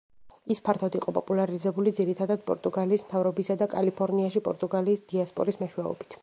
ის ფართოდ იყო პოპულარიზებული, ძირითადად პორტუგალიის მთავრობისა და კალიფორნიაში პორტუგალიის დიასპორის მეშვეობით.